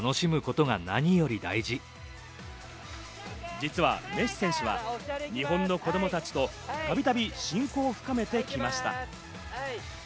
実はメッシ選手は日本の子供たちとたびたび親交を深めてきました。